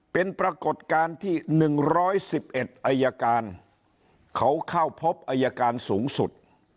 เป็นปรากฏการณ์ที่๑๑๑อายการเขาเข้าพบอายการสูงสุด